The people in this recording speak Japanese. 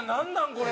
これ。